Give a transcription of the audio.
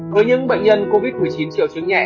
với những bệnh nhân covid một mươi chín triệu chứng nhẹ